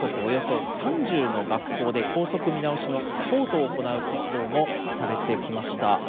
およそ３０の学校で校則見直しのサポートを行う活動もされてきました。